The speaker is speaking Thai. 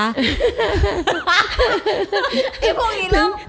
ไอ้พวกนี้เริ่มร้อยหล่อแล้วนะคะ